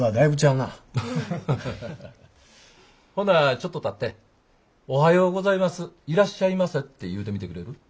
ほなちょっと立って「おはようございます」「いらっしゃいませ」って言うてみてくれる？